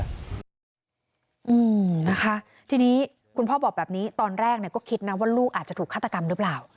อืมนะคะที่นี่คุณพ่อบอกแบบนี้ตอนแรกก็คิดว่าลูกจะถูกฆ่าตกรรมรึเปล่า